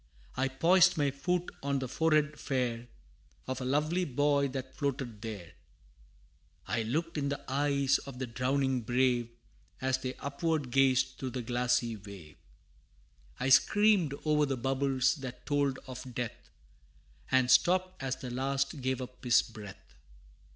I poised my foot on the forehead fair Of a lovely boy that floated there; I looked in the eyes of the drowning brave, As they upward gazed through the glassy wave; I screamed o'er the bubbles that told of death, And stooped as the last gave up his breath.